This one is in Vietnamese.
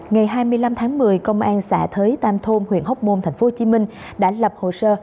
ngày hai mươi năm tháng một mươi công an xã thới tam thôn huyện hóc môn tp hcm đã lập hồ sơ